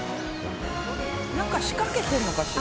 なんか仕掛けてるのかしら？